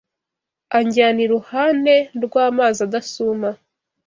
Anjyana iruhane rw’amazi adasuma